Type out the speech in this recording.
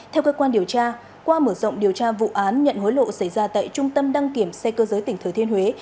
theo cơ quan điều tra qua mở rộng điều tra vụ án nhận hối lộ xảy ra tại trung tâm đăng kiểm xe cơ giới tỉnh thừa thiên huế